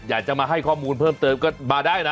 อยากจะมาให้ข้อมูลเพิ่มเติมก็มาได้นะ